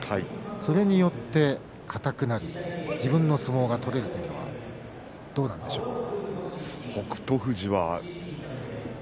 それによって硬くならずに自分の相撲が取れるというのはどうなんですか？